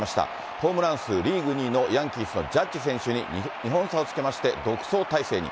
ホームラン数、リーグ２位のヤンキースのジャッジ選手に２本差をつけまして、独走態勢に。